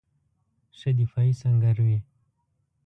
ښه دفاعي سنګر وي.